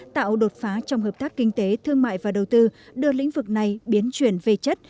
tạo đột phá trong hợp tác kinh tế thương mại và đầu tư đưa lĩnh vực này biến chuyển về chất